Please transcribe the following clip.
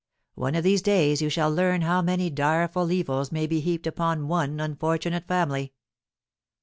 One of these days you shall learn how many direful evils may be heaped upon one unfortunate family."